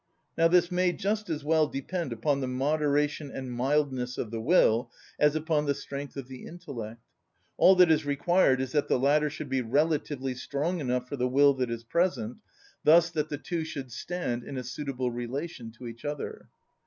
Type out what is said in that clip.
Now this may just as well depend upon the moderation and mildness of the will as upon the strength of the intellect. All that is required is that the latter should be relatively strong enough for the will that is present, thus that the two should stand in a suitable relation to each other.